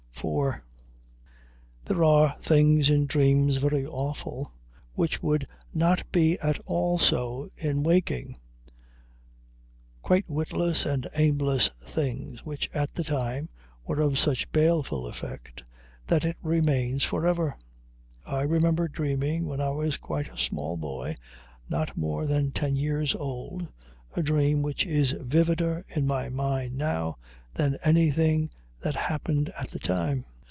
IV There are things in dreams very awful, which would not be at all so in waking quite witless and aimless things, which at the time were of such baleful effect that it remains forever. I remember dreaming when I was quite a small boy, not more than ten years old, a dream which is vivider in my mind now than anything that happened at the time.